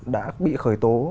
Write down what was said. đã bị khởi tố